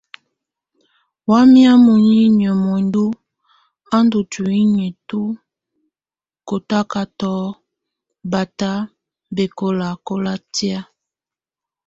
Wamɛ̀á muninyǝ́ muǝndu a ndù ntuinyii tu kɔtakatɔ bata bɛkɔlakɔla tɛ̀á.